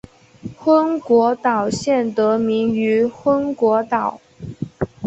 昏果岛县得名于昏果岛。